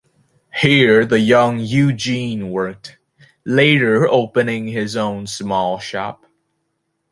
Here the young Eugene worked, later opening his own small shop.